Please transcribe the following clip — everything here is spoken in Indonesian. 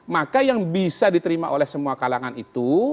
maka yang bisa diterima oleh semua kalangan itu